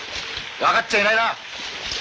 分かっちゃいないな！